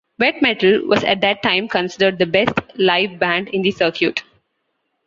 Wet Metal was at that time considered the best live band in the circuit.